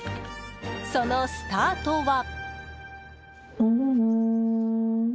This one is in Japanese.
そのスタートは。